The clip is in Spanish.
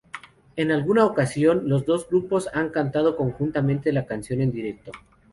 En alguna ocasión los dos grupos han cantado conjuntamente la canción en directo.